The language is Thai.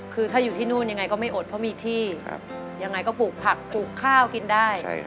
คือถ้าอยู่ที่นู่นยังไงก็ไม่อดเพราะมีที่ยังไงก็ปลูกผักปลูกข้าวกินได้